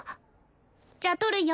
じゃあ撮るよ。